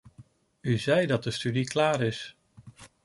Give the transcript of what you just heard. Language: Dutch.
U zei dat de studie klaar is.